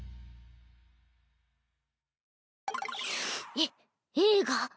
えっ映画？